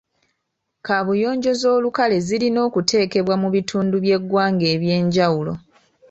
Kaabuyonjo z'olukale zirina okuteekebwa mu bitundu by'eggwanga eby'enjawulo.